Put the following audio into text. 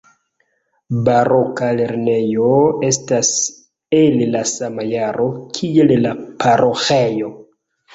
Baroka lernejo estas el la sama jaro kiel la paroĥejo.